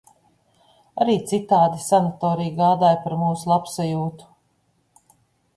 Arī citādi sanatorija gādāja par mūsu labsajūtu.